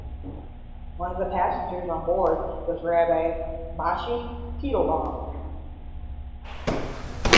One of the passengers on board was rabbi Moshe Teitelbaum.